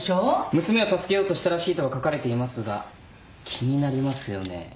娘を助けようとしたらしいとは書かれていますが気になりますよね。